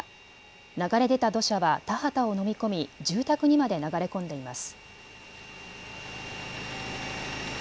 流れ出た土砂は田畑を飲み込み住宅にまで流れ込んでいます。